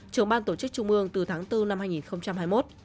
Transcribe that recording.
trưởng ban tổ chức trung ương từ tháng bốn năm hai nghìn hai mươi một